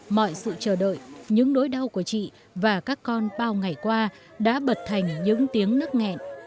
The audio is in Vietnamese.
mọi sự chờ đợi những nỗi đau của chị và các con bao ngày qua đã bật thành những tiếng nức nghẹn